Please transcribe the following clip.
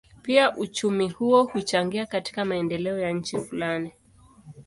Pia uchumi huo huchangia katika maendeleo ya nchi fulani.